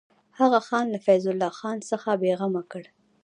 هغه ځان له فیض الله خان څخه بېغمه کړ.